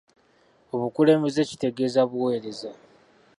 Obukulebeze kitegeeza buweereza.